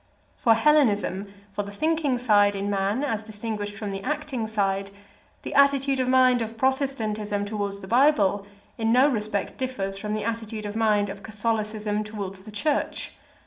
For Hellenism, for the thinking side in man as distinguished from the acting side, the attitude of mind of Protestantism towards the Bible in no respect differs from the attitude of mind of Catholicism towards the Church.